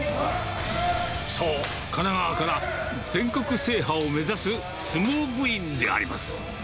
そう、神奈川から全国制覇を目指す相撲部員であります。